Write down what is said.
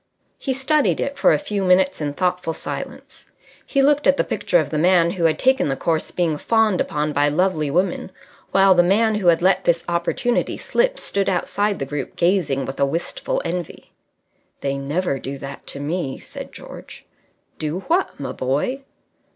He studied it for a few minutes in thoughtful silence. He looked at the picture of the Man who had taken the course being fawned upon by lovely women, while the man who had let this opportunity slip stood outside the group gazing with a wistful envy. "They never do that to me," said George. "Do what, my boy?"